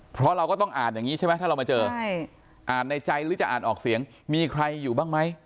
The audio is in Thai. เพราะเราก็ต้องอ่านอย่างนี้ใช่ไหมถ้าเรามาเจออ่านในใจหรือจะอ่านออกเสียงมีใครอยู่บ้างไหม